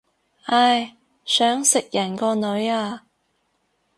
唉，想食人個女啊